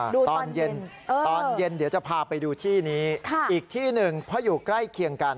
ตอนเย็นตอนเย็นเดี๋ยวจะพาไปดูที่นี้อีกที่หนึ่งเพราะอยู่ใกล้เคียงกัน